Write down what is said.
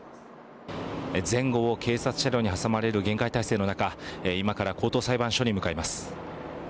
前後を警察車両に挟まれる厳戒態勢の中今から高等裁判所に向かいます。